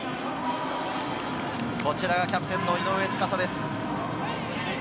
こちらはキャプテンの井上斗嵩です。